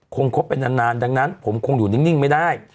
คบไปนานดังนั้นผมคงอยู่นิ่งไม่ได้